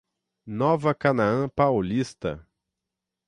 Nova Canaã Paulista